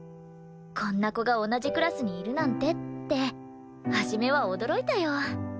こんな子が同じクラスにいるなんてって初めは驚いたよ。